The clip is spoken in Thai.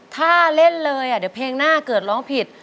ถ้าเล่นเลยเดี๋ยวเพลงหน้าเกิดร้องผิด